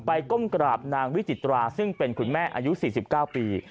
ก้มกราบนางวิจิตราซึ่งเป็นคุณแม่อายุ๔๙ปี